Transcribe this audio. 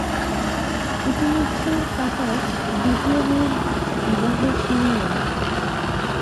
ইতিমধ্যে ওর কাকার দ্বিতীয় মেয়ের বিবাহের সময় এল।